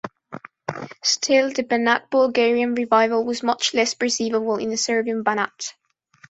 Still, the Banat Bulgarian revival was much less perceivable in the Serbian Banat.